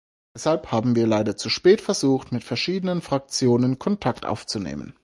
Deshalb haben wir leider zu spät versucht, mit verschiedenen Fraktionen Kontakt aufzunehmen.